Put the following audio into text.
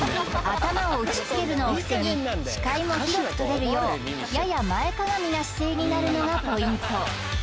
頭を打ち付けるのを防ぎ視界も広くとれるようやや前屈みな姿勢になるのがポイント